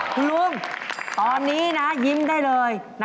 คุณลุงตอนนี้นะยิ้มได้เลย